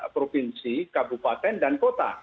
provinsi kabupaten dan kota